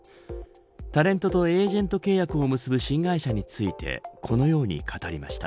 タレントとエージェント契約を結ぶ新会社についてこのように語りました。